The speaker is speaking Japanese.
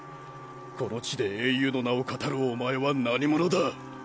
此の地で英雄の名を騙るおまえは何者だ？